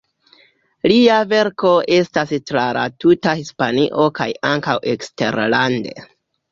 Lia verko estas tra la tuta Hispanio kaj ankaŭ eksterlande.